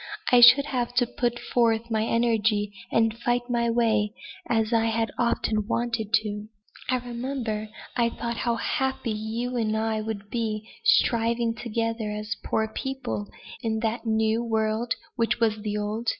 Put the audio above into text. I should have to put forth my energies and fight my way, as I had often wanted to do. I remember, I thought how happy you and I would be, striving together as poor people 'in that new world which is the old.'